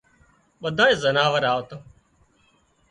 ٻڌانئي زناور آوتان